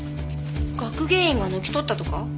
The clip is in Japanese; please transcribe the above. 学芸員が抜き取ったとか？